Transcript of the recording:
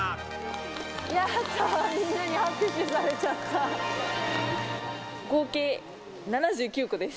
やったー、みんなに拍手され合計７９個です。